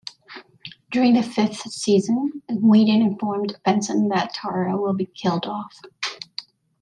During the fifth season, Whedon informed Benson that Tara would be killed off.